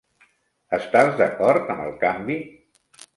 Estàs d'acord amb el canvi?